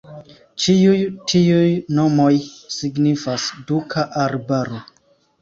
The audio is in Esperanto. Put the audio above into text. Ĉiuj tiuj nomoj signifas "Duka Arbaro".